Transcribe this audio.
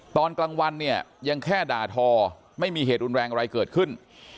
ตอนกลางวันเนี่ยยังแค่ด่าทอไม่มีเหตุรุนแรงอะไรเกิดขึ้น